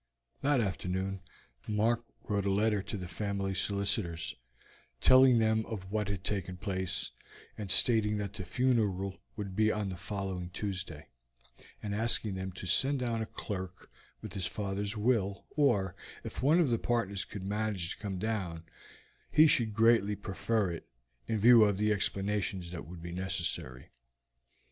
That afternoon Mark wrote a letter to the family solicitors, telling them of what had taken place, and stating that the funeral would be on the following Tuesday, and asking them to send down a clerk with his father's will, or if one of the partners could manage to come down, he should greatly prefer it, in view of the explanations that would be necessary.